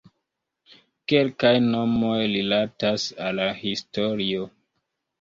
Kelkaj nomoj rilatas al historio.